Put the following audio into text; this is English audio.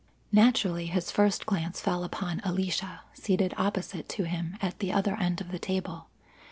Naturally his first glance fell upon Alicia, seated opposite to him at the other end of the table.